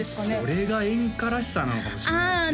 それが演歌らしさなのかもしれないですねああ